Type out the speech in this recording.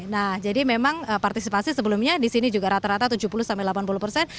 nah jadi memang partisipasi sebelumnya di sini juga rata rata tujuh puluh sampai delapan puluh persen